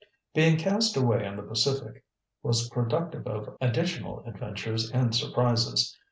Being cast away on the Pacific was productive of additional adventures and surprises.